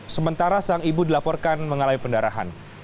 sementara sang ibu dilaporkan mengalami pendarahan